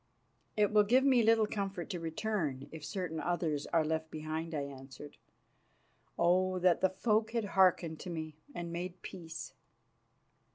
"It will give me little comfort to return if certain others are left behind," I answered. "Oh, that the folk had hearkened to me and made peace!"